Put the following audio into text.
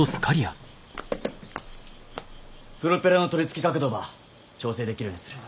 プロペラの取り付け角度ば調整できるようにする。